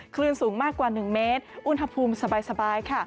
คลื่นสูงมากกว่า๑เมตรอุณหภูมิสบายค่ะ